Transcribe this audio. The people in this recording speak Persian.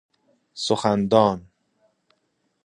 سخن دان